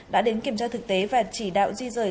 đã đến kiểm tra thực tế và chỉ đạo di rời